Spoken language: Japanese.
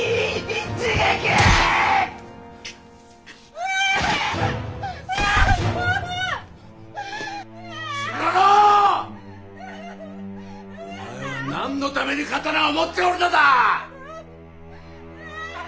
お前は何のために刀を持っておるのだ！